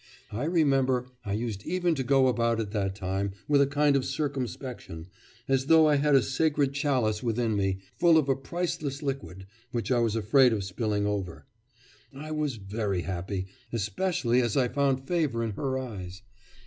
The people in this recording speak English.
I remember I used even to go about at that time with a kind of circumspection, as though I had a sacred chalice within me, full of a priceless liquid, which I was afraid of spilling over.... I was very happy, especially as I found favour in her eyes.